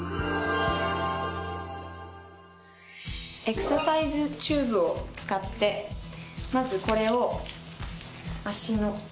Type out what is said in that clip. エクササイズチューブを使ってまずこれを脚のここに着けます。